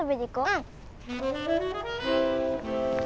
うん。